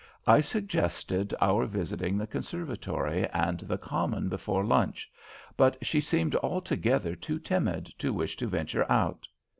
I suggested our visiting the Conservatory and the Common before lunch, but she seemed altogether too timid to wish to venture out.